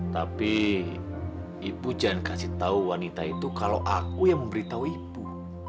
tapi ibu jangan kasih tahu wanita itu kalau aku yang memberitahu ibu